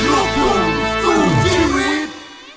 ลูกคุมสู่ชีวิต